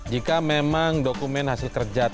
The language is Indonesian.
jika memang dokumen hasil kerja